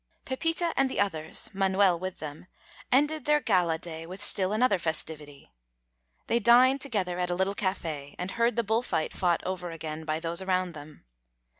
Pepita and the others, Manuel with them, ended their gala day with still another festivity. They dined together at a little café, and heard the bull fight fought over again by those around them.